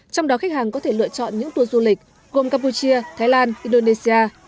trong đó khách hàng có thể lựa chọn những tour du lịch gồm campuchia thái lan indonesia